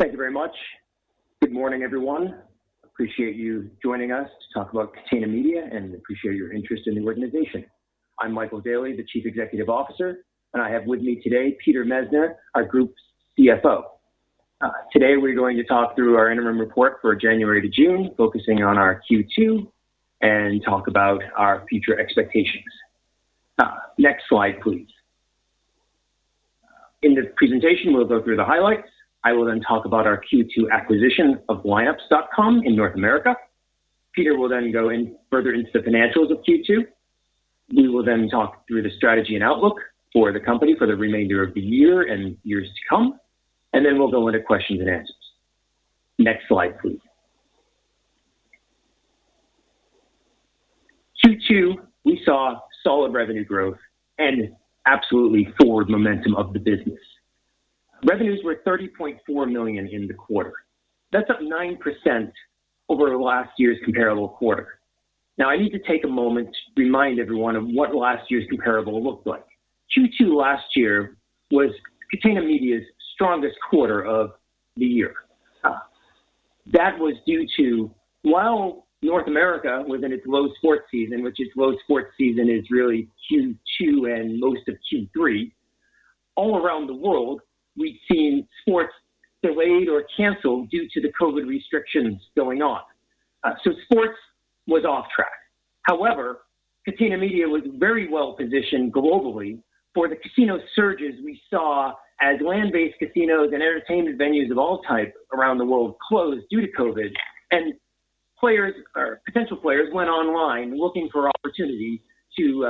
Thank you very much. Good morning, everyone. Appreciate you joining us to talk about Catena Media and appreciate your interest in the organization. I'm Michael Daly, the Chief Executive Officer, and I have with me today Peter Messner, our group's CFO. Today we're going to talk through our interim report for January to June, focusing on our Q2, and talk about our future expectations. Next slide, please. In the presentation, we'll go through the highlights. I will then talk about our Q2 acquisition of Lineups.com in North America. Peter will go further into the financials of Q2. We will talk through the strategy and outlook for the company for the remainder of the year and years to come, and then we'll go into questions and answers. Next slide, please. Q2, we saw solid revenue growth and absolutely forward momentum of the business. Revenues were 30.4 million in the quarter. That's up 9% over last year's comparable quarter. I need to take a moment to remind everyone of what last year's comparable looked like. Q2 last year was Catena Media's strongest quarter of the year. That was due to, while North America was in its low sports season, which its low sports season is really Q2 and most of Q3, all around the world, we'd seen sports delayed or canceled due to the COVID restrictions going on. Sports was off track. Catena Media was very well-positioned globally for the casino surges we saw as land-based casinos and entertainment venues of all type around the world closed due to COVID, and potential players went online looking for opportunities to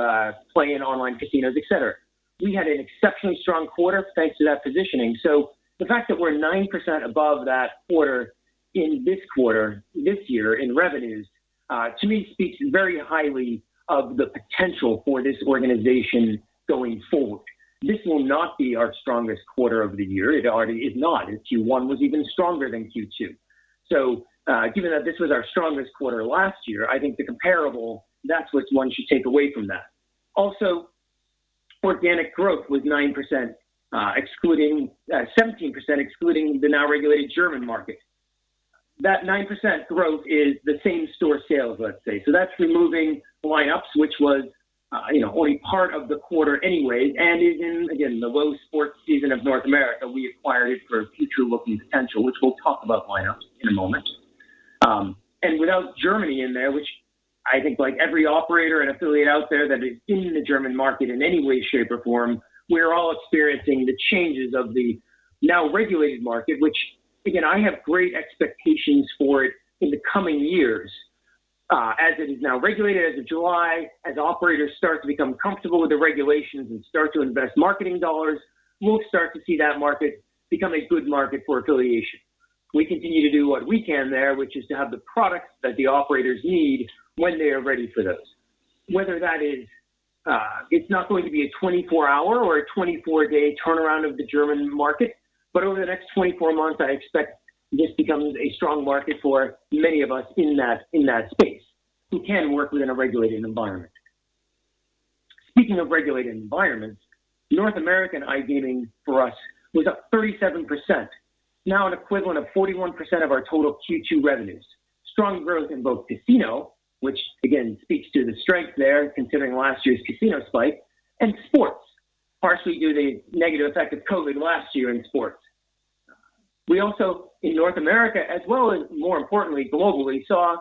play in online casinos, et cetera. We had an exceptionally strong quarter thanks to that positioning. The fact that we're 9% above that quarter in this quarter, this year in revenues, to me, speaks very highly of the potential for this organization going forward. This will not be our strongest quarter of the year. It already is not, as Q1 was even stronger than Q2. Given that this was our strongest quarter last year, I think the comparable, that's what one should take away from that. Organic growth was 17%, excluding the now regulated German market. That 9% growth is the same store sales, let's say. That's removing Lineups, which was already part of the quarter anyway, and in, again, the low sports season of North America, we acquired it for future-looking potential, which we'll talk about Lineups in a moment. Without Germany in there, which I think like every operator and affiliate out there that is in the German market in any way, shape, or form, we're all experiencing the changes of the now regulated market, which, again, I have great expectations for it in the coming years. As it is now regulated as of July, as operators start to become comfortable with the regulations and start to invest marketing dollars, we'll start to see that market become a good market for affiliation. We continue to do what we can there, which is to have the products that the operators need when they are ready for those. It's not going to be a 24-hour or a 24-day turnaround of the German market, but over the next 24 months, I expect this becomes a strong market for many of us in that space who can work within a regulated environment. Speaking of regulated environments, North American iGaming for us was up 37%, now an equivalent of 41% of our total Q2 revenues. Strong growth in both casino, which again speaks to the strength there considering last year's casino spike, and sports, partially due to negative effect of COVID last year in sports. We also, in North America as well as more importantly globally, saw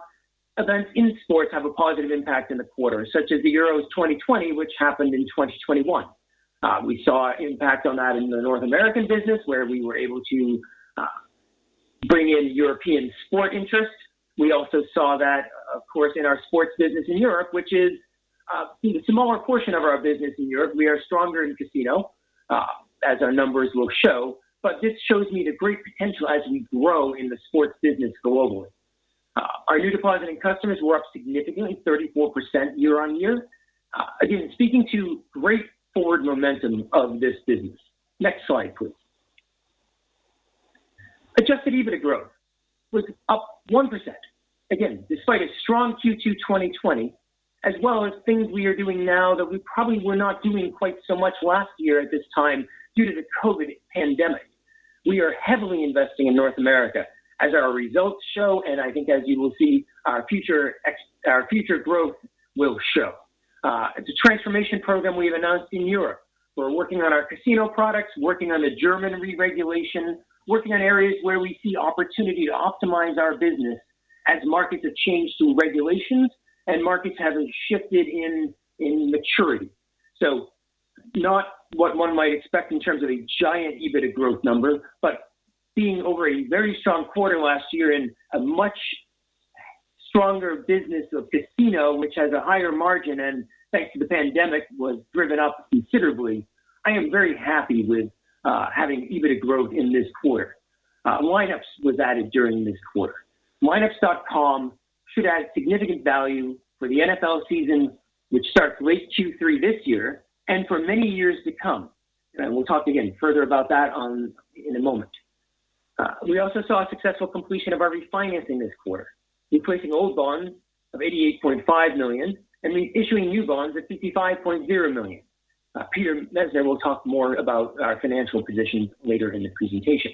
events in sports have a positive impact in the quarter, such as the Euros 2020, which happened in 2021. We saw impact on that in the North American business where we were able to bring in European sport interest. We also saw that, of course, in our sports business in Europe, which is a smaller portion of our business in Europe. We are stronger in casino, as our numbers will show. This shows me the great potential as we grow in the sports business globally. Our new depositing customers were up significantly, 34% year-on-year. Again, speaking to great forward momentum of this business. Next slide, please. Adjusted EBITDA growth was up 1%, again, despite a strong Q2 2020, as well as things we are doing now that we probably were not doing quite so much last year at this time due to the COVID pandemic. We are heavily investing in North America, as our results show, and I think as you will see, our future growth will show. The transformation program we have announced in Europe. We're working on our casino products, working on the German re-regulation, working on areas where we see opportunity to optimize our business as markets have changed through regulations and markets have shifted in maturity. Not what one might expect in terms of a giant EBITDA growth number, but being over a very strong quarter last year in a much stronger business of casino, which has a higher margin and thanks to the pandemic, was driven up considerably. I am very happy with having EBITDA growth in this quarter. Lineups was added during this quarter. Lineups.com should add significant value for the NFL season, which starts late Q3 this year and for many years to come. We'll talk again further about that in a moment. We also saw a successful completion of our refinancing this quarter, replacing old bonds of 88.5 million, and reissuing new bonds at 55.0 million. Peter Messner will talk more about our financial position later in the presentation.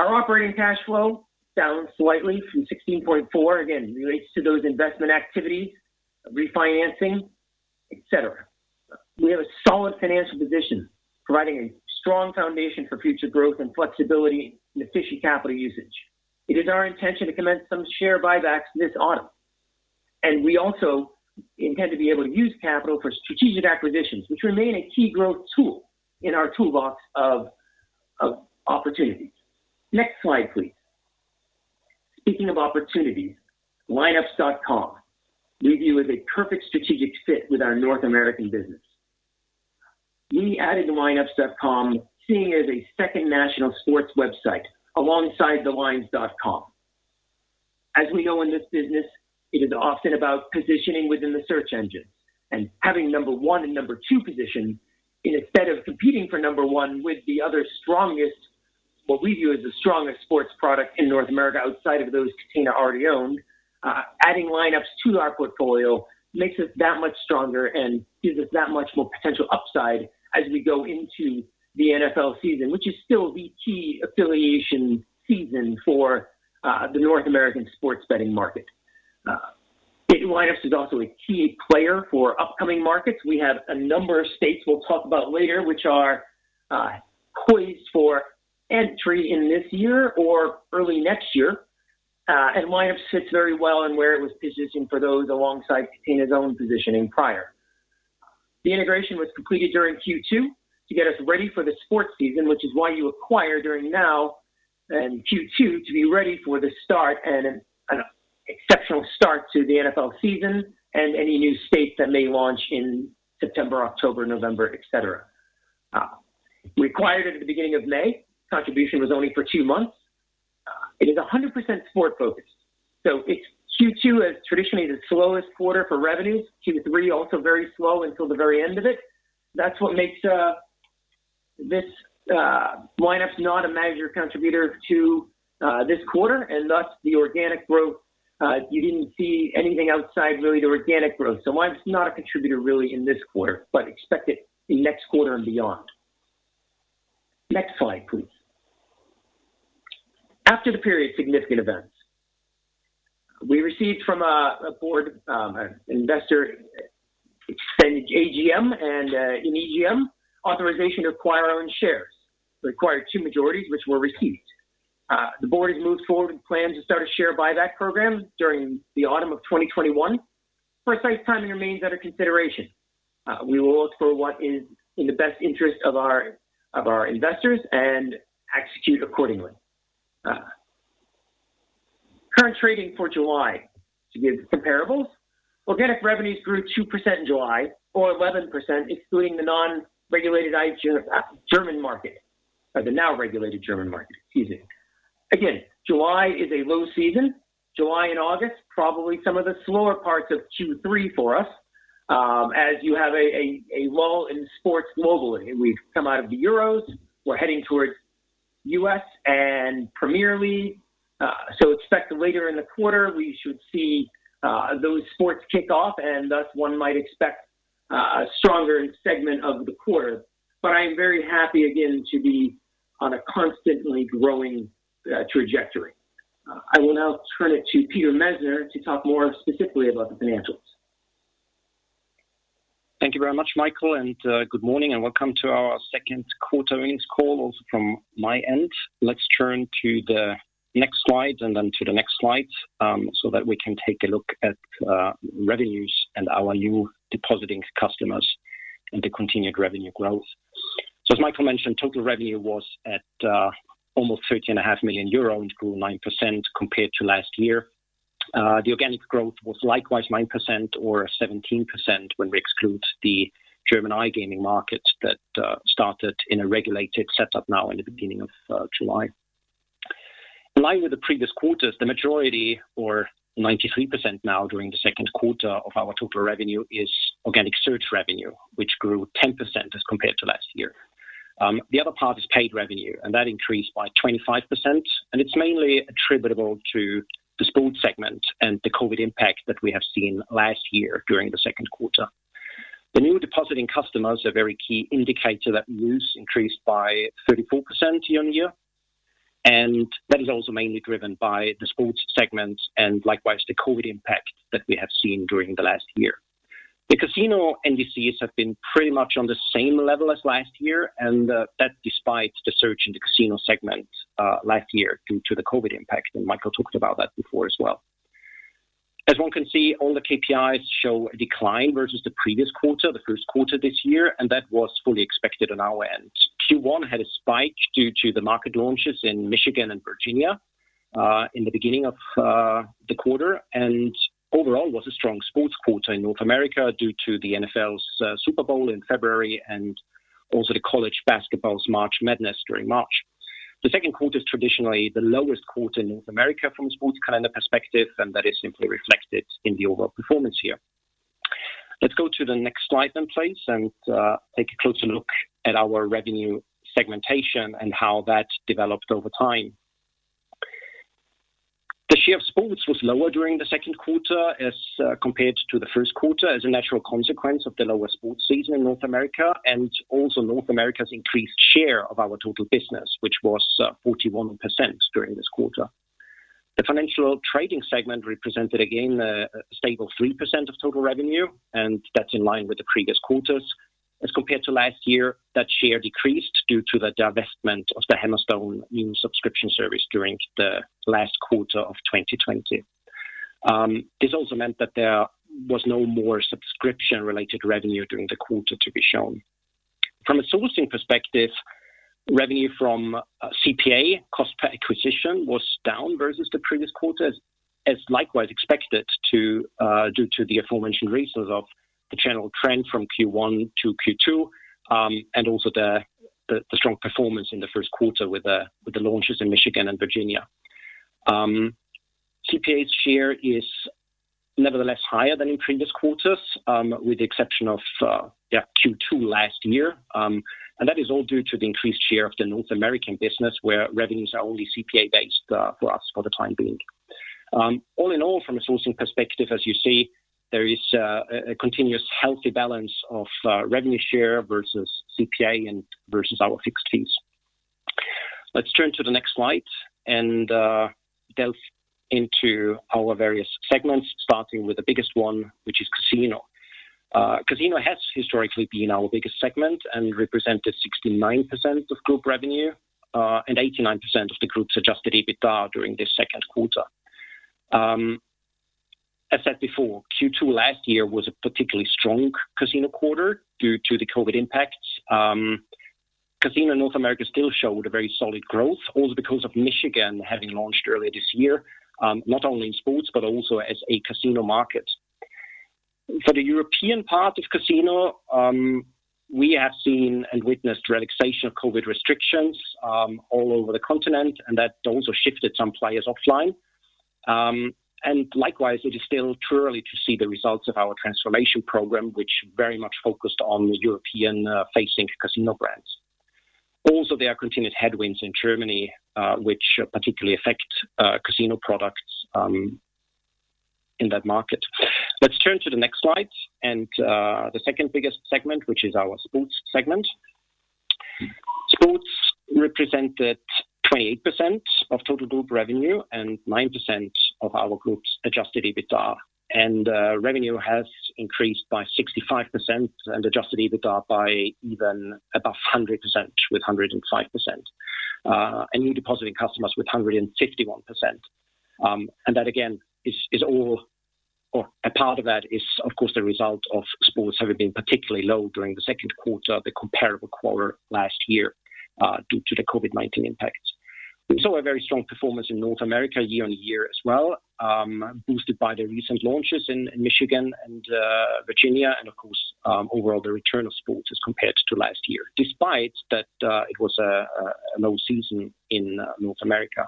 Our operating cash flow balanced slightly from 16.4 million, again, relates to those investment activities, refinancing, et cetera. We have a solid financial position providing a strong foundation for future growth and flexibility in efficient capital usage. It is our intention to commence some share buybacks this autumn, and we also intend to be able to use capital for strategic acquisitions, which remain a key growth tool in our toolbox of opportunities. Next slide, please. Speaking of opportunities, Lineups.com we view as a perfect strategic fit with our North American business. We added Lineups.com, seeing it as a second national sports website alongside TheLines.com. As we know in this business, it is often about positioning within the search engines and having number one and number two position instead of competing for number one with the other strongest, what we view as the strongest sports product in North America outside of those Catena already owned. Adding Lineups to our portfolio makes us that much stronger and gives us that much more potential upside as we go into the NFL season, which is still the key affiliation season for the North American sports betting market. Lineups is also a key player for upcoming markets. We have a number of states we'll talk about later, which are poised for entry in this year or early next year. Lineups sits very well in where it was positioned for those alongside Catena's own positioning prior. The integration was completed during Q2 to get us ready for the sports season, which is why you acquire during now and Q2 to be ready for the start and an exceptional start to the NFL season and any new states that may launch in September, October, November, et cetera. We acquired it at the beginning of May. Contribution was only for two months. It is 100% sport-focused. Q2 is traditionally the slowest quarter for revenues. Q3, also very slow until the very end of it. That's what makes this Lineups not a major contributor to this quarter, and thus the organic growth, you didn't see anything outside, really, the organic growth. Lineups is not a contributor really in this quarter, but expect it the next quarter and beyond. Next slide, please. After the period significant events. We received from a board investor AGM and an EGM authorization to acquire our own shares. Required two majorities, which were received. The board has moved forward with plans to start a share buyback program during the autumn of 2021. Precise timing remains under consideration. We will look for what is in the best interest of our investors and execute accordingly. Current trading for July to give comparables. Organic revenues grew 2% in July, or 11%, excluding the non-regulated German market, or the now regulated German market. Excuse me. Again, July is a low season. July and August, probably some of the slower parts of Q3 for us, as you have a lull in sports globally. We've come out of the Euros. We're heading towards U.S. and Premier League. Expect later in the quarter, we should see those sports kick off, and thus one might expect a stronger segment of the quarter. I am very happy again to be on a constantly growing trajectory. I will now turn it to Peter Messner to talk more specifically about the financials. Thank you very much, Michael, and good morning and welcome to our second quarter earnings call also from my end. Let's turn to the next slide and then to the next slide, so that we can take a look at revenues and our new depositing customers and the continued revenue growth. As Michael mentioned, total revenue was at almost 30.5 million euro, grew 9% compared to last year. The organic growth was likewise 9% or 17% when we exclude the German iGaming market that started in a regulated setup now in the beginning of July. In line with the previous quarters, the majority or 93% now during the second quarter of our total revenue is organic search revenue, which grew 10% as compared to last year. The other part is paid revenue, and that increased by 25%, and it's mainly attributable to the sports segment and the COVID impact that we have seen last year during the second quarter. The new depositing customers are very key indicator that use increased by 34% year-on-year, and that is also mainly driven by the sports segments and likewise the COVID impact that we have seen during the last year. The casino NDCs have been pretty much on the same level as last year, and that despite the surge in the casino segment last year due to the COVID impact, and Michael talked about that before as well. As one can see, all the KPIs show a decline versus the previous quarter, the first quarter this year, and that was fully expected on our end. Q1 had a spike due to the market launches in Michigan and Virginia in the beginning of the quarter. Overall, was a strong sports quarter in North America due to the NFL's Super Bowl in February and also the college basketball's March Madness during March. The second quarter is traditionally the lowest quarter in North America from a sports calendar perspective, and that is simply reflected in the overall performance here. Let's go to the next slide then, please, and take a closer look at our revenue segmentation and how that developed over time. The share of sports was lower during the second quarter as compared to the first quarter as a natural consequence of the lower sports season in North America, and also North America's increased share of our total business, which was 41% during this quarter. The financial trading segment represented again a stable 3% of total revenue, and that's in line with the previous quarters. As compared to last year, that share decreased due to the divestment of the Hammerstone news subscription service during the last quarter of 2020. This also meant that there was no more subscription-related revenue during the quarter to be shown. From a sourcing perspective, revenue from CPA, cost per acquisition, was down versus the previous quarter, as likewise expected due to the aforementioned reasons of the general trend from Q1 to Q2, and also the strong performance in the first quarter with the launches in Michigan and Virginia. CPA's share is nevertheless higher than in previous quarters, with the exception of Q2 last year. That is all due to the increased share of the North American business, where revenues are only CPA-based for us for the time being. All in all, from a sourcing perspective, as you see, there is a continuous healthy balance of revenue share versus CPA and versus our fixed fees. Let's turn to the next slide and delve into our various segments, starting with the biggest one, which is casino. Casino has historically been our biggest segment and represented 69% of group revenue, and 89% of the group's adjusted EBITDA during the second quarter. As said before, Q2 last year was a particularly strong casino quarter due to the COVID impacts. Casino in North America still showed a very solid growth, also because of Michigan having launched earlier this year, not only in sports, but also as a casino market. For the European part of casino, we have seen and witnessed relaxation of COVID restrictions all over the continent, and that also shifted some players offline. Likewise, it is still too early to see the results of our transformation program, which very much focused on the European-facing casino brands. Also, there are continued headwinds in Germany, which particularly affect casino products in that market. Let's turn to the next slide and the second biggest segment, which is our sports segment. Sports represented 28% of total group revenue and 9% of our group's adjusted EBITDA. Revenue has increased by 65% and adjusted EBITDA by even above 100%, with 105%. New depositing customers with 151%. That again, a part of that is, of course, the result of sports having been particularly low during the second quarter, the comparable quarter last year, due to the COVID-19 impacts. We saw a very strong performance in North America year-on-year as well, boosted by the recent launches in Michigan and Virginia, and of course, overall the return of sports as compared to last year, despite that it was a low season in North America.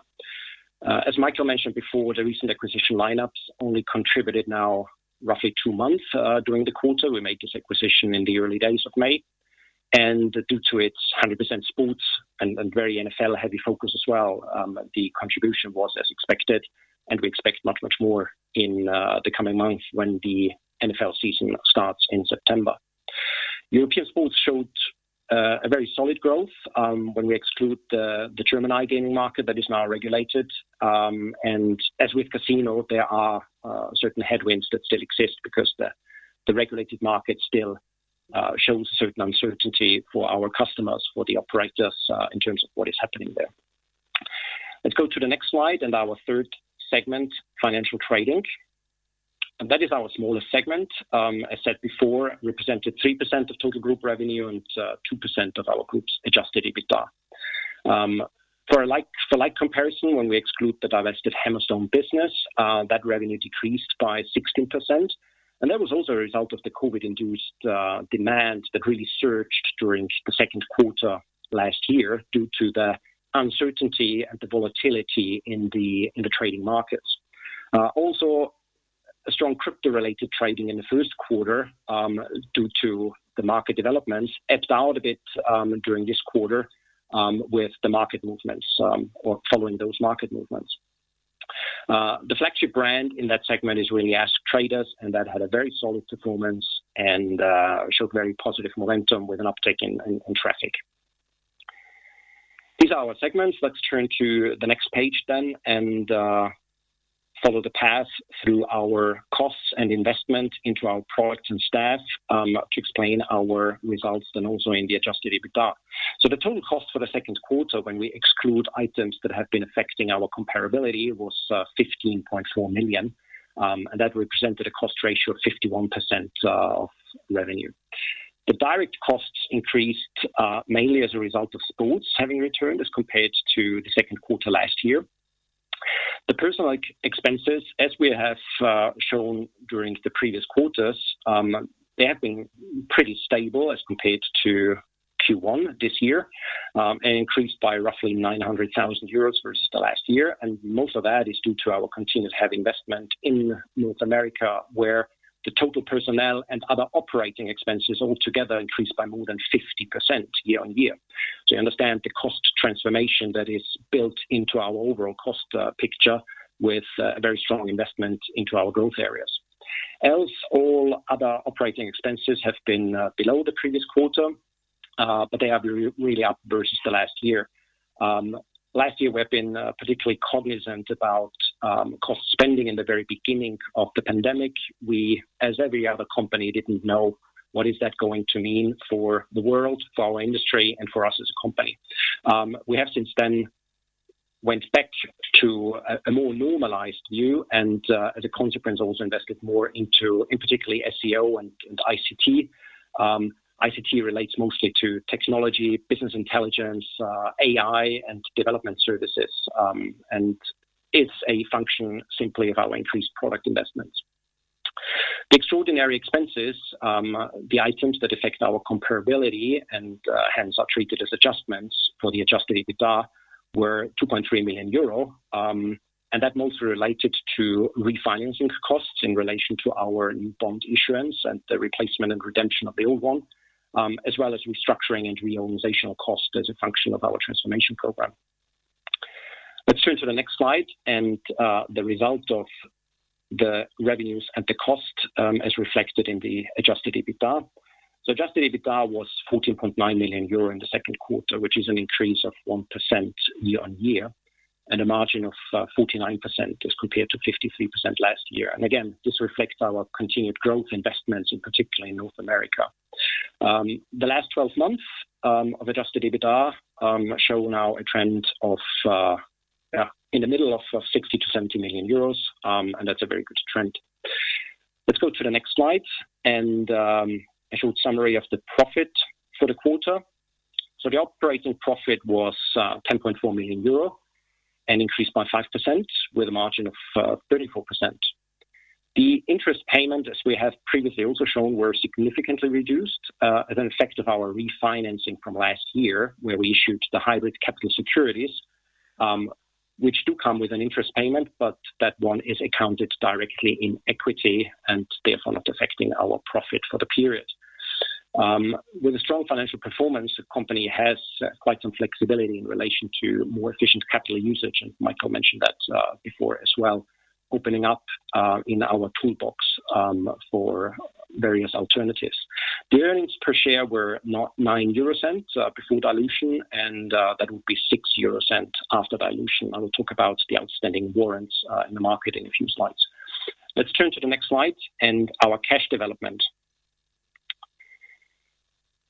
As Michael mentioned before, the recent acquisition Lineups only contributed now roughly two months during the quarter. We made this acquisition in the early days of May. Due to its 100% sports and very NFL-heavy focus as well, the contribution was as expected, and we expect much, much more in the coming months when the NFL season starts in September. European sports showed a very solid growth when we exclude the German iGaming market that is now regulated. As with casino, there are certain headwinds that still exist because the regulated market still shows certain uncertainty for our customers, for the operators in terms of what is happening there. Let's go to the next slide and our third segment, financial trading. That is our smallest segment. I said before, represented 3% of total group revenue and 2% of our group's adjusted EBITDA. For like comparison, when we exclude the divested Hammerstone business, that revenue decreased by 16%. That was also a result of the COVID-induced demand that really surged during the second quarter last year due to the uncertainty and the volatility in the trading markets. Also, strong crypto-related trading in the first quarter due to the market developments ebbed out a bit during this quarter with the market movements or following those market movements. The flagship brand in that segment is really AskTraders, and that had a very solid performance and showed very positive momentum with an uptick in traffic. These are our segments. Let's turn to the next page and follow the path through our costs and investment into our products and staff to explain our results and also in the adjusted EBITDA. The total cost for the second quarter, when we exclude items that have been affecting our comparability, was 15.4 million, and that represented a cost ratio of 51% of revenue. The direct costs increased mainly as a result of sports having returned as compared to the second quarter last year. The personal expenses, as we have shown during the previous quarters, they have been pretty stable as compared to Q1 this year, and increased by roughly 900,000 euros versus the last year. Most of that is due to our continued heavy investment in North America, where the total personnel and other operating expenses altogether increased by more than 50% year-on-year. You understand the cost transformation that is built into our overall cost picture with a very strong investment into our growth areas. Else, all other operating expenses have been below the previous quarter, but they have really up versus the last year. Last year, we have been particularly cognizant about cost spending in the very beginning of the pandemic. We, as every other company, didn't know what is that going to mean for the world, for our industry, and for us as a company. We have since then went back to a more normalized view and, as a consequence, also invested more into, in particularly SEO and ICT. ICT relates mostly to technology, business intelligence, AI, and development services, it's a function simply of our increased product investments. The extraordinary expenses, the items that affect our comparability and hence are treated as adjustments for the adjusted EBITDA, were 2.3 million euro. That mostly related to refinancing costs in relation to our new bond issuance and the replacement and redemption of the old one, as well as restructuring and reorganizational cost as a function of our transformation program. Let's turn to the next slide and the result of the revenues and the cost, as reflected in the adjusted EBITDA. Adjusted EBITDA was 14.9 million euro in the second quarter, which is an increase of 1% year-on-year, and a margin of 49% as compared to 53% last year. Again, this reflects our continued growth investments, in particular in North America. The last 12 months of adjusted EBITDA show now a trend of in the middle of 60 million-70 million euros, That's a very good trend. Let's go to the next slide and a short summary of the profit for the quarter. The operating profit was 10.4 million euro and increased by 5% with a margin of 34%. The interest payment, as we have previously also shown, were significantly reduced as an effect of our refinancing from last year, where we issued the hybrid capital securities, which do come with an interest payment, but that one is accounted directly in equity and therefore not affecting our profit for the period. With a strong financial performance, the company has quite some flexibility in relation to more efficient capital usage, Michael mentioned that before as well, opening up in our toolbox for various alternatives. The earnings per share were north EUR 0.09 before dilution. That would be 0.06 after dilution. I will talk about the outstanding warrants in the market in a few slides. Let's turn to the next slide and our cash development.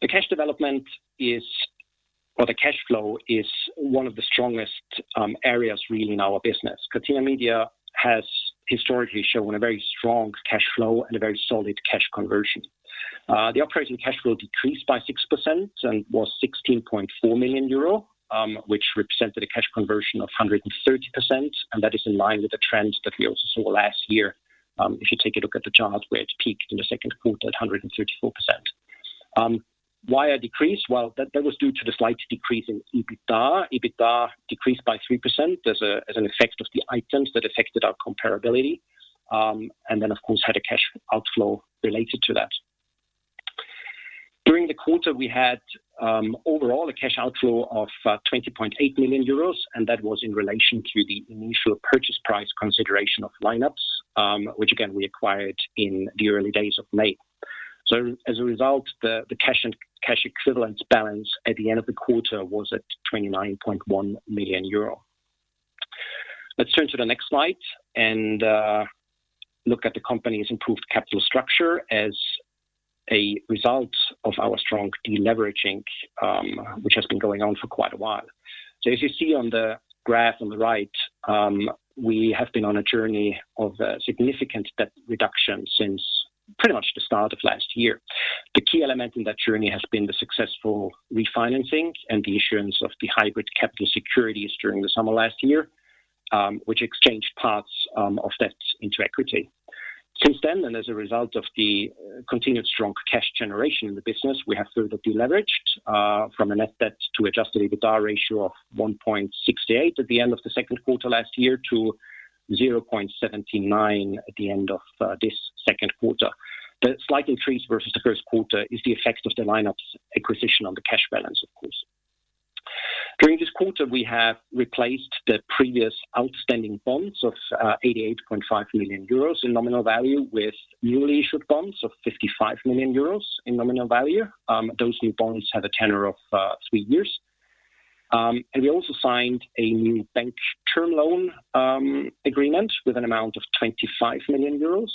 The cash development or the cash flow is one of the strongest areas really in our business. Catena Media has historically shown a very strong cash flow and a very solid cash conversion. The operating cash flow decreased by 6% and was 16.4 million euro, which represented a cash conversion of 130%. That is in line with the trends that we also saw last year. If you take a look at the chart where it peaked in the second quarter at 134%. Why a decrease? Well, that was due to the slight decrease in EBITDA. EBITDA decreased by 3% as an effect of the items that affected our comparability, and then of course, had a cash outflow related to that. During the quarter, we had overall a cash outflow of 20.8 million euros, and that was in relation to the initial purchase price consideration of Lineups, which again, we acquired in the early days of May. As a result, the cash equivalents balance at the end of the quarter was at 29.1 million euro. Let's turn to the next slide and look at the company's improved capital structure as a result of our strong deleveraging, which has been going on for quite a while. If you see on the graph on the right, we have been on a journey of significant debt reduction since pretty much the start of last year. The key element in that journey has been the successful refinancing and the issuance of the hybrid capital securities during the summer last year, which exchanged parts of debt into equity. Since then, as a result of the continued strong cash generation in the business, we have further deleveraged from a net debt to adjusted EBITDA ratio of 1.68 at the end of the second quarter last year to 0.79 at the end of this second quarter. The slight increase versus the first quarter is the effect of the Lineups acquisition on the cash balance, of course. During this quarter, we have replaced the previous outstanding bonds of 88.5 million euros in nominal value with newly issued bonds of 55 million euros in nominal value. Those new bonds have a tenure of three years. We also signed a new bank term loan agreement with an amount of 25 million euros,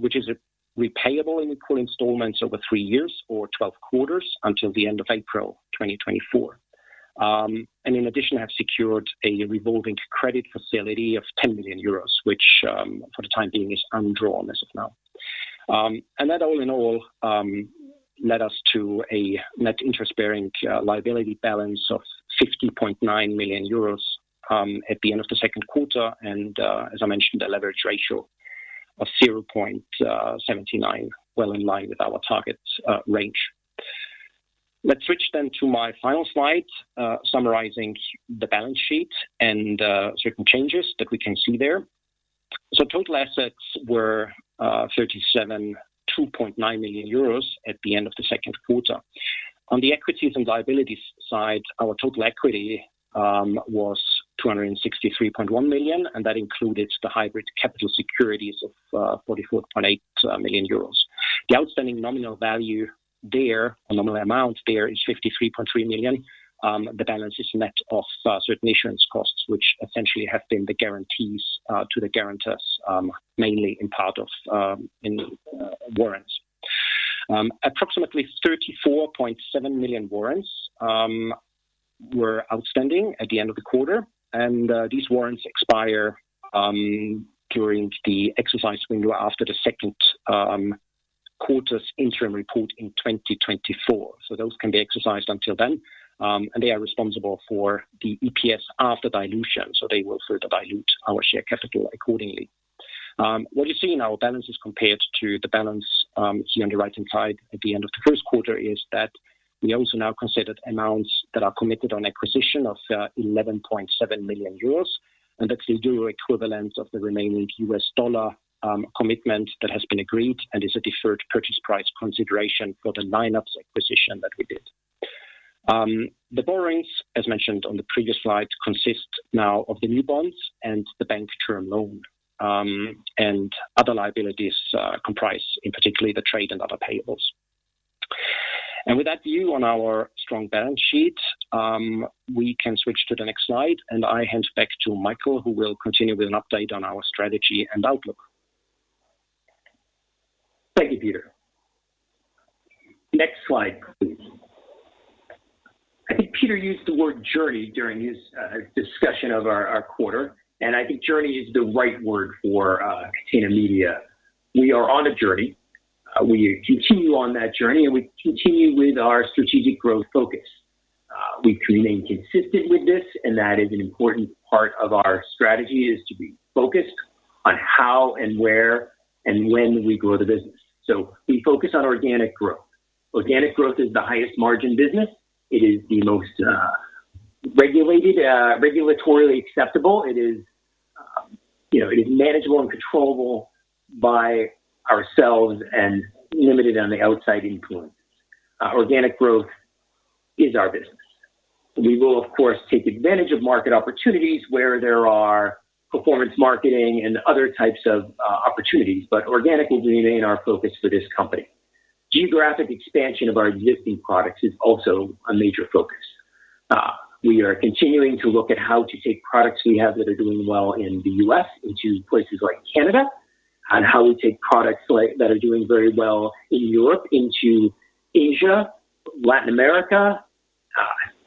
which is repayable in equal installments over three years or 12 quarters until the end of April 2024. In addition, have secured a revolving credit facility of 10 million euros, which, for the time being, is undrawn as of now. That all in all, led us to a net interest-bearing liability balance of 50.9 million euros at the end of the second quarter, and, as I mentioned, a leverage ratio of 0.79, well in line with our target range. Let's switch then to my final slide, summarizing the balance sheet and certain changes that we can see there. Total assets were 372.9 million euros at the end of the second quarter. On the equities and liabilities side, our total equity was 263.1 million. That included the hybrid capital securities of 44.8 million euros. The outstanding nominal value there, or nominal amount there, is 53.3 million. The balance is net of certain issuance costs, which essentially have been the guarantees to the guarantors, mainly in part of in warrants. Approximately 34.7 million warrants were outstanding at the end of the quarter. These warrants expire during the exercise window after the second quarter's interim report in 2024. Those can be exercised until then. They are responsible for the EPS after dilution. They will further dilute our share capital accordingly. What you see in our balances compared to the balance, here on the right-hand side, at the end of the first quarter, is that we also now considered amounts that are committed on acquisition of 11.7 million euros, and actually due to equivalence of the remaining U.S. dollar commitment that has been agreed and is a deferred purchase price consideration for the Lineups acquisition that we did. The borrowings, as mentioned on the previous slide, consist now of the new bonds and the bank term loan. Other liabilities comprise, in particular, the trade and other payables. With that view on our strong balance sheet, we can switch to the next slide, and I hand back to Michael, who will continue with an update on our strategy and outlook. Thank you, Peter. Next slide, please. I think Peter used the word journey during his discussion of our quarter, and I think journey is the right word for Catena Media. We are on a journey. We continue on that journey, and we continue with our strategic growth focus. We remain consistent with this, and that is an important part of our strategy, is to be focused on how and where and when we grow the business. We focus on organic growth. Organic growth is the highest margin business. It is the most regulated, regulatorily acceptable. It is manageable and controllable by ourselves and limited on the outside influence. Organic growth is our business. We will, of course, take advantage of market opportunities where there are performance marketing and other types of opportunities, but organic will remain our focus for this company. Geographic expansion of our existing products is also a major focus. We are continuing to look at how to take products we have that are doing well in the U.S. into places like Canada, and how we take products that are doing very well in Europe into Asia, Latin America,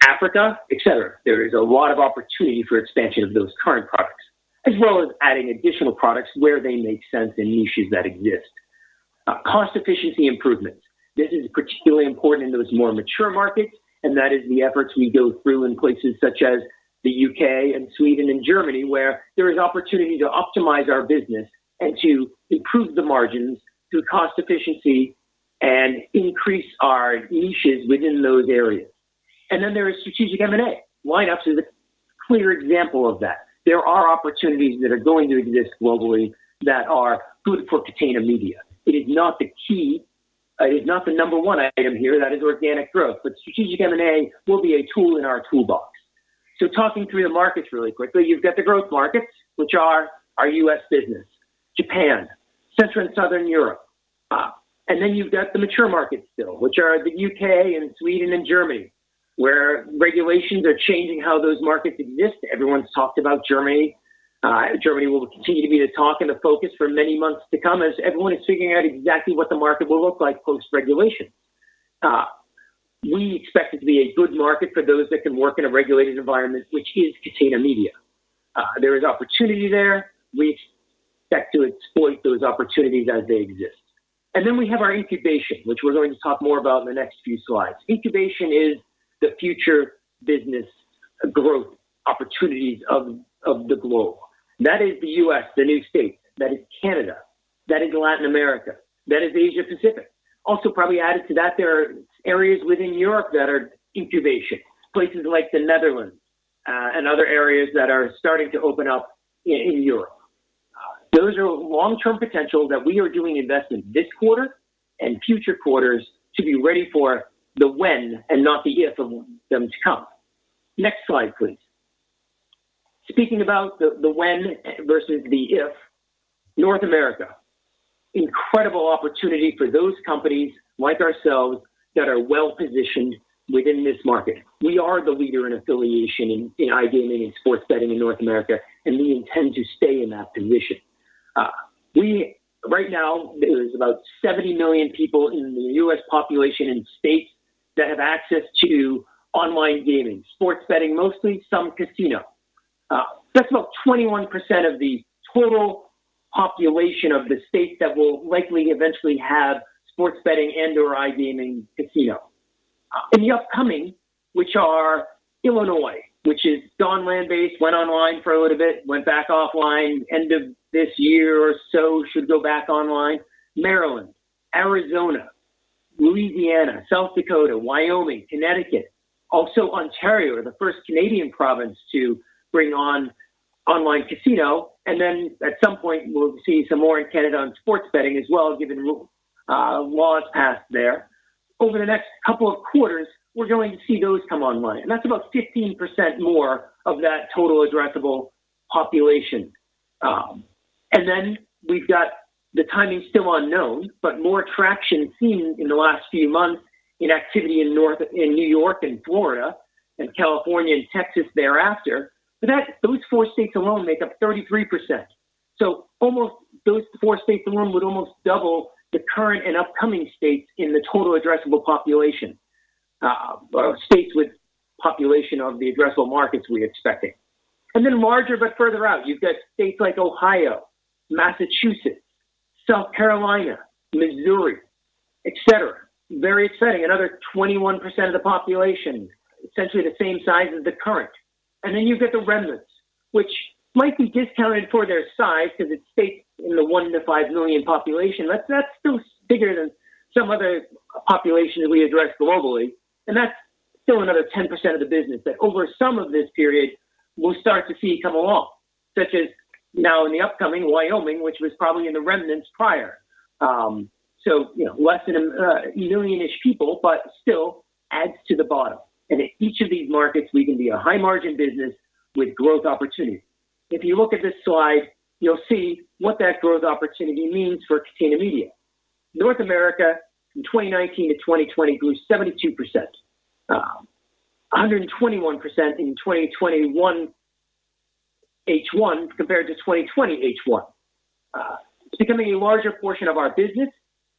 Africa, et cetera. There is a lot of opportunity for expansion of those current products, as well as adding additional products where they make sense in niches that exist. Cost efficiency improvements. This is particularly important in those more mature markets, and that is the efforts we go through in places such as the U.K. and Sweden and Germany, where there is opportunity to optimize our business and to improve the margins through cost efficiency and increase our niches within those areas. There is strategic M&A. Lineups is a clear example of that. There are opportunities that are going to exist globally that are good for Catena Media. It is not the key. It is not the number one item here. That is organic growth. Strategic M&A will be a tool in our toolbox. Talking through the markets really quickly, you've got the growth markets, which are our U.S. business, Japan, Central and Southern Europe. You've got the mature markets still, which are the U.K. and Sweden and Germany, where regulations are changing how those markets exist. Everyone's talked about Germany. Germany will continue to be the talk and the focus for many months to come as everyone is figuring out exactly what the market will look like post-regulation. We expect it to be a good market for those that can work in a regulated environment, which is Catena Media. There is opportunity there. We expect to exploit those opportunities as they exist. We have our incubation, which we're going to talk more about in the next few slides. Incubation is the future business growth opportunities of the globe. That is the U.S., the new states. That is Canada. That is Latin America. That is Asia-Pacific. Also probably added to that, there are areas within Europe that are incubation. Places like the Netherlands, and other areas that are starting to open up in Europe. Those are long-term potentials that we are doing investment this quarter and future quarters to be ready for the when and not the if of them to come. Next slide, please. Speaking about the when versus the if, North America, incredible opportunity for those companies like ourselves that are well-positioned within this market. We are the leader in affiliation in iGaming and sports betting in North America. We intend to stay in that position. Right now, there is about 70 million people in the U.S. population and states that have access to online gaming, sports betting mostly, some casino. That's about 21% of the total population of the states that will likely eventually have sports betting and/or iGaming casino. In the upcoming, which are Illinois, which is gone land-based, went online for a little bit, went back offline end of this year or so, should go back online. Maryland, Arizona, Louisiana, South Dakota, Wyoming, Connecticut, also Ontario, the first Canadian province to bring on online casino. At some point, we'll see some more in Canada on sports betting as well, given laws passed there. Over the next couple of quarters, we're going to see those come online, and that's about 15% more of that total addressable population. We've got the timing still unknown, but more traction seen in the last few months in activity in New York and Florida and California and Texas thereafter. Those four states alone make up 33%. Those four states alone would almost double the current and upcoming states in the total addressable population, or states with population of the addressable markets we're expecting. Larger but further out, you've got states like Ohio, Massachusetts, South Carolina, Missouri, et cetera. Very exciting. Another 21% of the population, essentially the same size as the current. You've got the remnants, which might be discounted for their size because it's states in the 1 million-5 million population. That is still bigger than some other population that we address globally, and that is still another 10% of the business that over some of this period we will start to see come along, such as now in the upcoming Wyoming, which was probably in the remnants prior. Less than a million-ish people, but still adds to the bottom. In each of these markets, we can be a high-margin business with growth opportunity. If you look at this slide, you will see what that growth opportunity means for Catena Media. North America from 2019 to 2020 grew 72%, 121% in 2021 H1 compared to 2020 H1. It is becoming a larger portion of our business.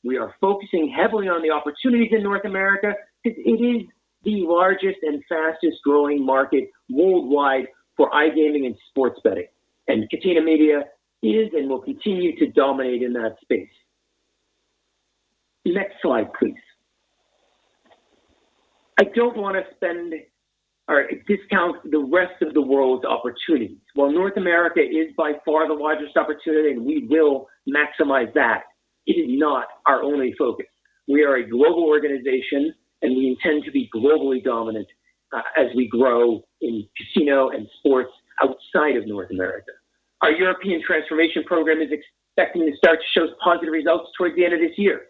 We are focusing heavily on the opportunities in North America because it is the largest and fastest-growing market worldwide for iGaming and sports betting, and Catena Media is and will continue to dominate in that space. Next slide, please. I don't want to discount the rest of the world's opportunities. While North America is by far the largest opportunity, and we will maximize that, it is not our only focus. We are a global organization, and we intend to be globally dominant as we grow in casino and sports outside of North America. Our European transformation program is expecting to start to show positive results towards the end of this year.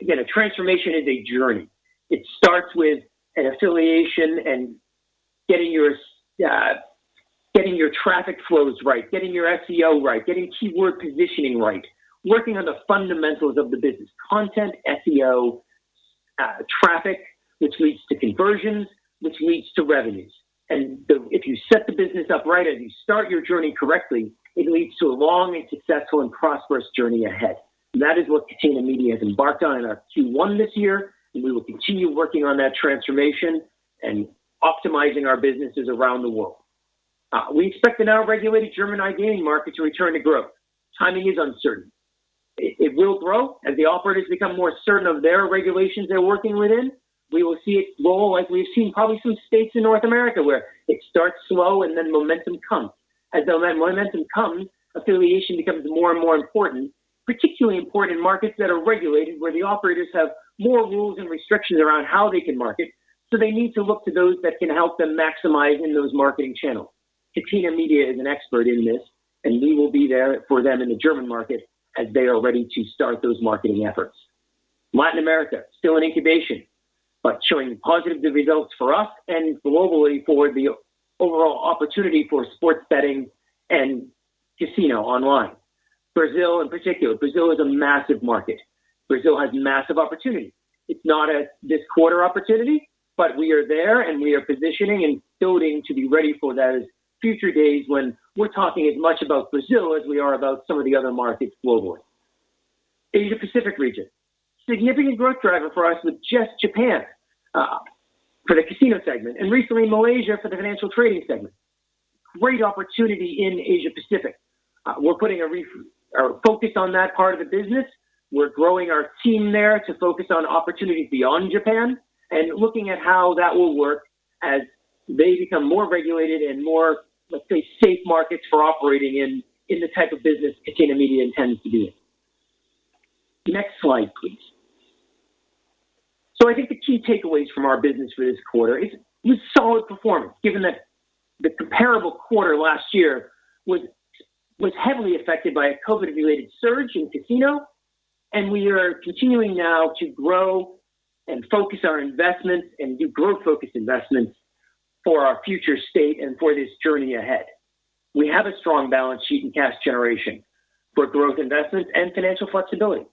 Again, a transformation is a journey. It starts with an affiliation and getting your traffic flows right, getting your SEO right, getting keyword positioning right, working on the fundamentals of the business. Content, SEO, traffic, which leads to conversions, which leads to revenues. If you set the business up right, as you start your journey correctly, it leads to a long and successful and prosperous journey ahead. That is what Catena Media has embarked on in our Q1 this year, and we will continue working on that transformation and optimizing our businesses around the world. We expect the now regulated German iGaming market to return to growth. Timing is uncertain. It will grow as the operators become more certain of their regulations they're working within. We will see it grow like we've seen probably some states in North America, where it starts slow and then momentum comes. As that momentum comes, affiliation becomes more and more important, particularly important in markets that are regulated, where the operators have more rules and restrictions around how they can market. They need to look to those that can help them maximize in those marketing channels. Catena Media is an expert in this, and we will be there for them in the German market as they are ready to start those marketing efforts. Latin America, still in incubation, but showing positive results for us and globally for the overall opportunity for sports betting and casino online. Brazil in particular. Brazil is a massive market. Brazil has massive opportunity. It's not a this-quarter opportunity, but we are there and we are positioning and building to be ready for those future days when we're talking as much about Brazil as we are about some of the other markets globally. Asia-Pacific region. Significant growth driver for us with just Japan for the casino segment, and recently Malaysia for the financial trading segment. Great opportunity in Asia-Pacific. We're putting a focus on that part of the business. We're growing our team there to focus on opportunities beyond Japan and looking at how that will work as they become more regulated and more, let's say, safe markets for operating in the type of business Catena Media intends to be in. Next slide, please. I think the key takeaways from our business for this quarter is solid performance, given that the comparable quarter last year was heavily affected by a COVID-related surge in casino. We are continuing now to grow and focus our investments and do growth-focused investments for our future state and for this journey ahead. We have a strong balance sheet and cash generation for growth investments and financial flexibility.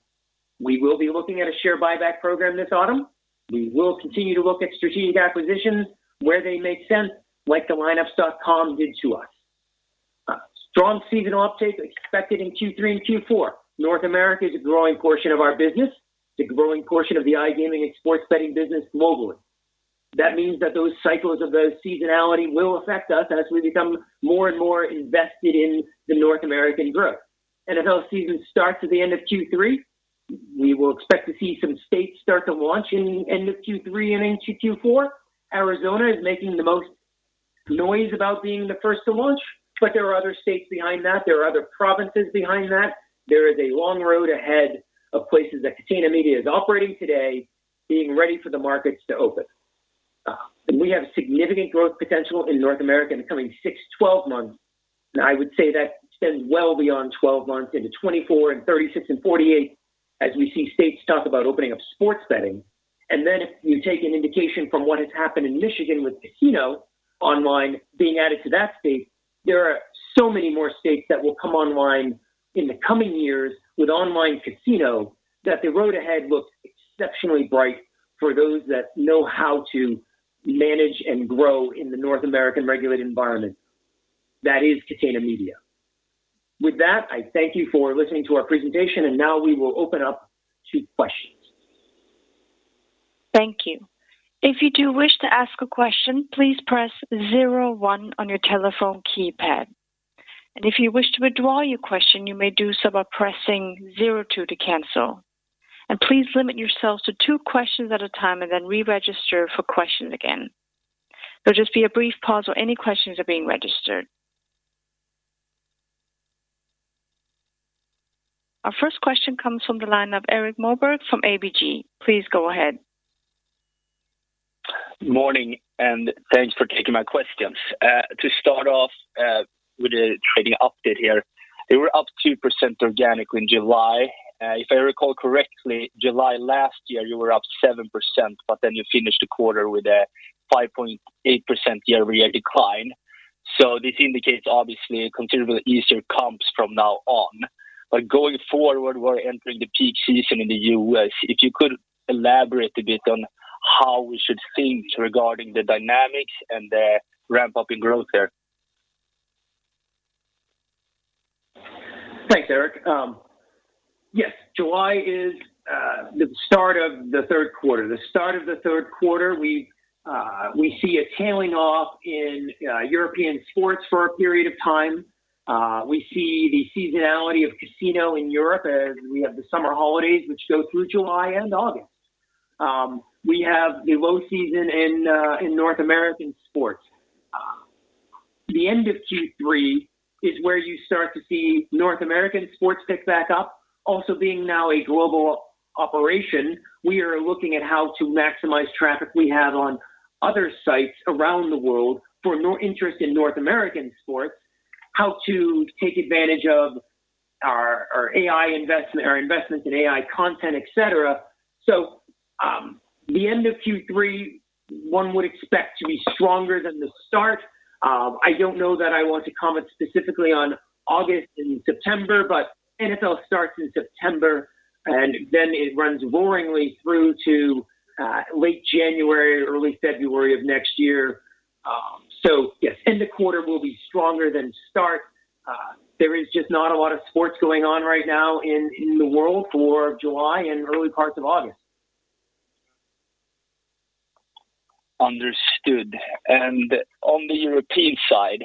We will be looking at a share buyback program this autumn. We will continue to look at strategic acquisitions where they make sense, like the Lineups.com did to us. Strong seasonal uptake expected in Q3 and Q4. North America is a growing portion of our business. It's a growing portion of the iGaming and sports betting business globally. That means that those cycles of those seasonality will affect us as we become more and more invested in the North American growth. NFL season starts at the end of Q3. We will expect to see some states start to launch in the end of Q3 and into Q4. Arizona is making the most noise about being the first to launch, but there are other states behind that. There are other provinces behind that. There is a long road ahead of places that Catena Media is operating today, being ready for the markets to open. We have significant growth potential in North America in the coming 6-12 months, and I would say that extends well beyond 12 months into 2024 and 2036 and 2048, as we see states talk about opening up sports betting. If you take an indication from what has happened in Michigan with casino online being added to that state, there are so many more states that will come online in the coming years with online casino, that the road ahead looks exceptionally bright for those that know how to manage and grow in the North American regulated environment. That is Catena Media. With that, I thank you for listening to our presentation, and now we will open up to questions. Thank you. If you do wish to ask a question, please press zero one on your telephone keypad. If you wish to withdraw your question, you may do so by pressing zero two to cancel. Please limit yourselves to two questions at a time, and then re-register for questions again. There'll just be a brief pause while any questions are being registered. Our first question comes from the line of Erik Moberg from ABG. Please go ahead. Morning. Thanks for taking my questions. To start off with a trading update here, you were up 2% organically in July. If I recall correctly, July last year, you were up 7%, but then you finished the quarter with a 5.8% year-over-year decline. This indicates obviously considerably easier comps from now on. Going forward, we're entering the peak season in the U.S. If you could elaborate a bit on how we should think regarding the dynamics and the ramp-up in growth there? Thanks, Erik. Yes, July is the start of the third quarter. The start of the third quarter, we see a tailing off in European sports for a period of time. We see the seasonality of casino in Europe as we have the summer holidays, which go through July and August. We have the low season in North American sports. The end of Q3 is where you start to see North American sports pick back up. Being now a global operation, we are looking at how to maximize traffic we have on other sites around the world for no interest in North American sports, how to take advantage of our investments in AI content, et cetera. The end of Q3, one would expect to be stronger than the start. I don't know that I want to comment specifically on August and September. NFL starts in September, it runs boringly through to late January or early February of next year. Yes, end of quarter will be stronger than start. There is just not a lot of sports going on right now in the world for July and early parts of August. Understood. On the European side,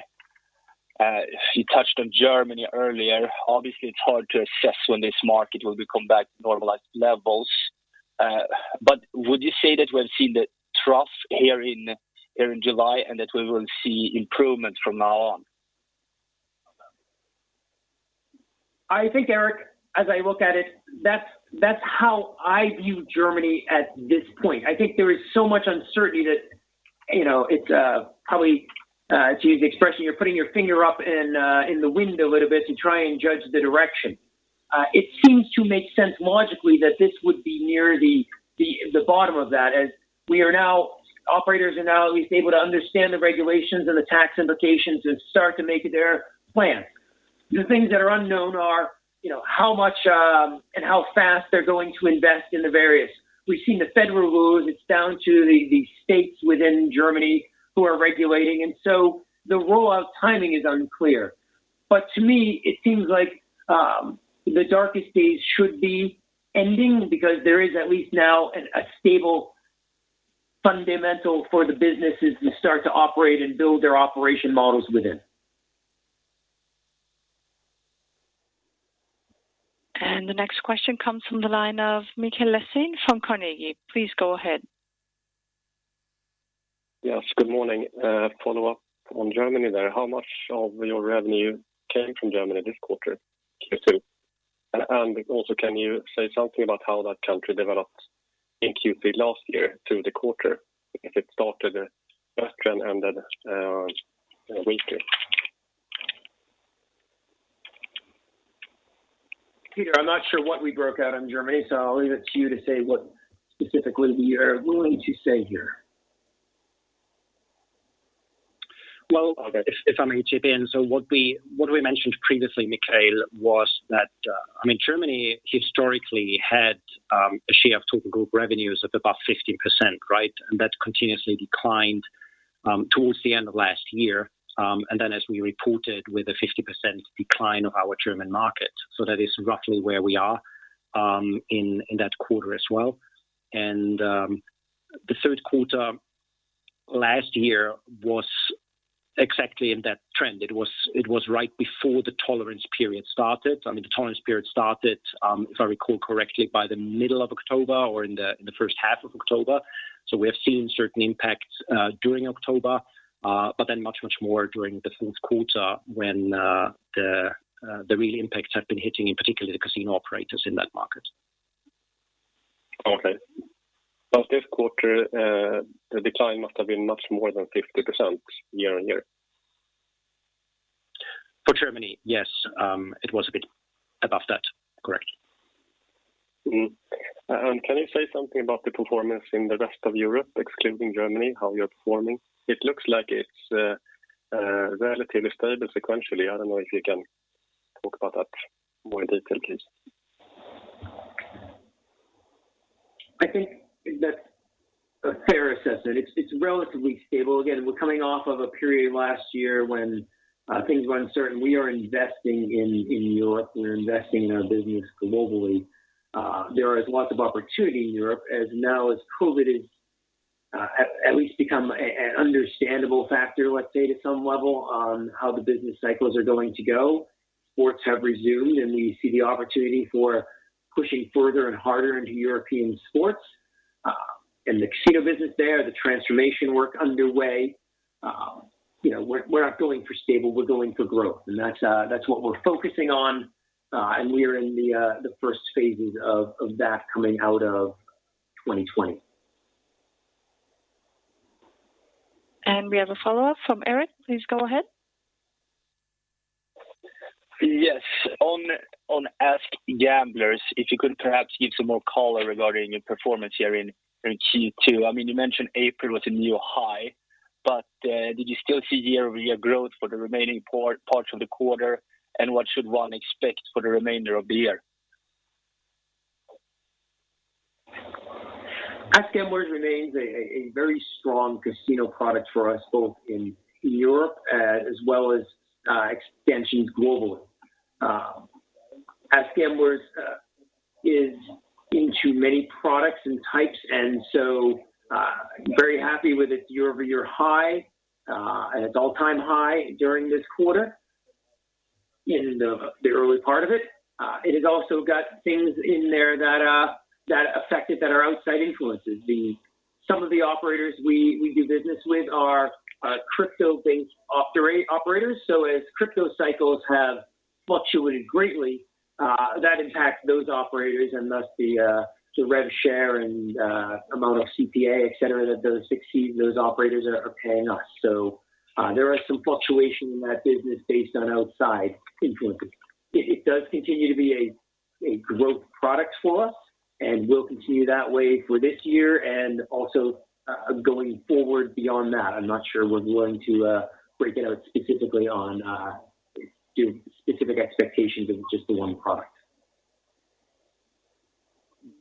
you touched on Germany earlier. Obviously, it's hard to assess when this market will come back to normalized levels. Would you say that we've seen the trough here in July and that we will see improvement from now on? I think, Erik, as I look at it, that's how I view Germany at this point. I think there is so much uncertainty that it's probably, to use the expression, you're putting your finger up in the wind a little bit to try and judge the direction. It seems to make sense logically that this would be near the bottom of that, as operators are now at least able to understand the regulations and the tax implications and start to make their plans. The things that are unknown are how much and how fast they're going to invest in the various. We've seen the federal rules. It's down to the states within Germany who are regulating. The rollout timing is unclear. To me, it seems like the darkest days should be ending because there is at least now a stable fundamental for the businesses to start to operate and build their operation models within. The next question comes from the line of Mikael Laséen from Carnegie. Please go ahead. Yes, good morning. Follow-up on Germany there. How much of your revenue came from Germany this quarter, Q2? Also can you say something about how that country developed in Q3 last year through the quarter, if it started best and ended weaker? Peter, I'm not sure what we broke out on Germany, so I'll leave it to you to say what specifically we are willing to say here. Well, if I may chip in. What we mentioned previously, Mikael, was that, Germany historically had a share of total group revenues of about 15%, right? That continuously declined towards the end of last year. As we reported with a 50% decline of our German market. That is roughly where we are in that quarter as well. The third quarter last year was exactly in that trend. It was right before the tolerance period started. The tolerance period started, if I recall correctly, by the middle of October or in the first half of October. We have seen certain impacts during October, much more during the fourth quarter when the real impacts have been hitting, in particular, the casino operators in that market. Okay. This quarter, the decline must have been much more than 50% year-on-year. For Germany, yes. It was a bit above that. Correct. Can you say something about the performance in the rest of Europe, excluding Germany, how you're performing? It looks like it's relatively stable sequentially. I don't know if you can talk about that more in detail, please. I think that's a fair assessment. It's relatively stable. We're coming off of a period last year when things were uncertain. We are investing in Europe. We're investing in our business globally. There is lots of opportunity in Europe as now as COVID is, at least become an understandable factor, let's say to some level, on how the business cycles are going to go. Sports have resumed. We see the opportunity for pushing further and harder into European sports. In the casino business there, the transformation work underway. We're not going for stable, we're going for growth. That's what we're focusing on. We're in the first phases of that coming out of 2020. We have a follow-up from Erik. Please go ahead. Yes. On AskGamblers, if you could perhaps give some more color regarding your performance here in Q2. You mentioned April was a new high, did you still see year-over-year growth for the remaining parts of the quarter? What should one expect for the remainder of the year? AskGamblers remains a very strong casino product for us, both in Europe as well as extensions globally. AskGamblers is into many products and types. Very happy with its year-over-year high, an all-time high during this quarter in the early part of it. It has also got things in there that affected that are outside influences. Some of the operators we do business with are crypto-based operators. As crypto cycles have fluctuated greatly, that impacts those operators and thus the rev share and amount of CPA, et cetera, that those succeed and those operators are paying us. There is some fluctuation in that business based on outside influences. It does continue to be a growth product for us. Will continue that way for this year and also going forward beyond that. I'm not sure we're willing to break it out specifically on specific expectations of just the one product.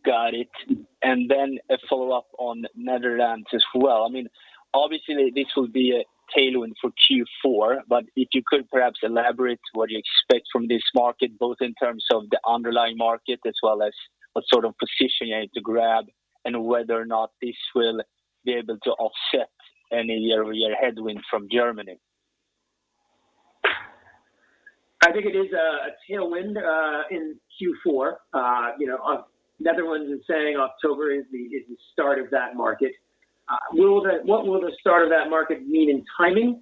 Got it. Then a follow-up on Netherlands as well. Obviously, this will be a tailwind for Q4, but if you could perhaps elaborate what you expect from this market, both in terms of the underlying market as well as what sort of position you had to grab and whether or not this will be able to offset any year-over-year headwind from Germany? I think it is a tailwind in Q4. Netherlands is saying October is the start of that market. What will the start of that market mean in timing?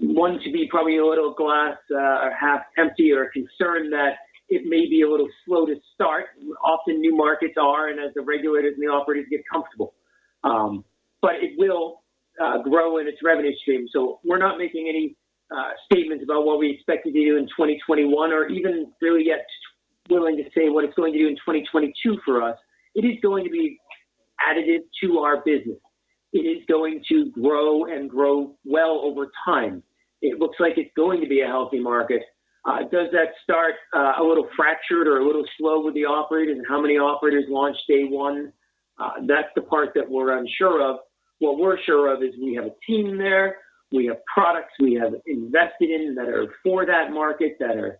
One, to be probably a little glass or half empty or concerned that it may be a little slow to start. Often new markets are and as the regulators and the operators get comfortable. It will grow in its revenue stream. We're not making any statements about what we expect to do in 2021 or even really yet willing to say what it's going to do in 2022 for us. It is going to be additive to our business. It is going to grow and grow well over time. It looks like it's going to be a healthy market. Does that start a little fractured or a little slow with the operators and how many operators launch day one? That's the part that we're unsure of. What we're sure of is we have a team there. We have products we have invested in that are for that market, that are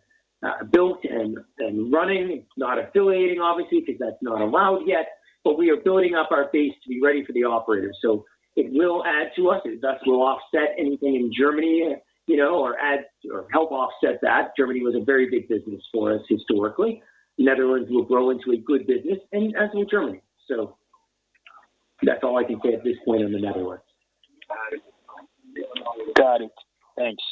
built and running. It's not affiliating, obviously, because that's not allowed yet. We are building up our base to be ready for the operators. It will add to us. It thus will offset anything in Germany or help offset that. Germany was a very big business for us historically. Netherlands will grow into a good business and as will Germany. That's all I can say at this point on the Netherlands. Got it. Thanks.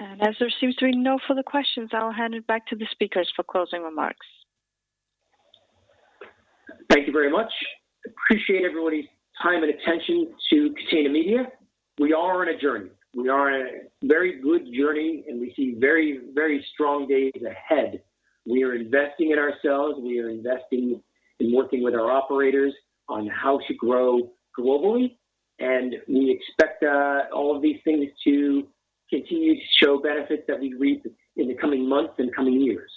As there seems to be no further questions, I'll hand it back to the speakers for closing remarks. Thank you very much. Appreciate everybody's time and attention to Catena Media. We are on a journey. We are on a very good journey, and we see very strong days ahead. We are investing in ourselves. We are investing in working with our operators on how to grow globally, and we expect all of these things to continue to show benefits that we reap in the coming months and coming years.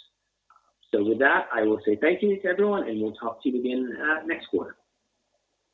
With that, I will say thank you to everyone, and we'll talk to you again next quarter.